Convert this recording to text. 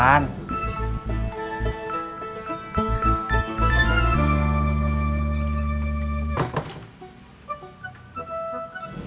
nanti kita duduknya paling depan